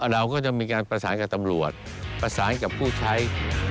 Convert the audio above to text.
เราก็จะมีการประสานกับตำรวจประสานกับผู้ใช้